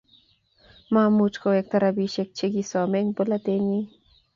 Mamuch kowekta rabisiek chi kisome eng polatet nyin